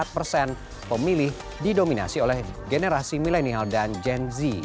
lima puluh enam enam puluh empat persen pemilih didominasi oleh generasi milenial dan gen z